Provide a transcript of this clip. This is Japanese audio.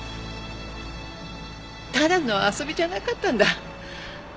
ただの遊びじゃなかったんだ。